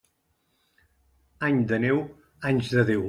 Any de neu, anys de Déu.